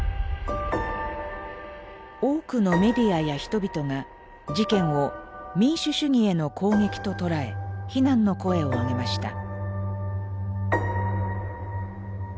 多くのメディアや人々が事件を民主主義への攻撃ととらえ非難の声をあげました。